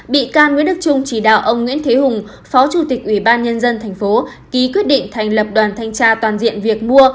bị can nguyễn đức trung chỉ đạo ông nguyễn thế hùng phó chủ tịch ubnd tp ký quyết định thành lập đoàn thanh tra toàn diện việc mua